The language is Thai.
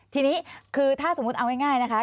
ทีนี้คือถ้าสมมุติเอาง่ายนะคะ